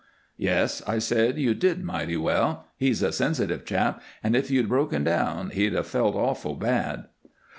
"Yes," I said, "you did mighty well. He's a sensitive chap, and if you'd broken down he'd have felt awful bad."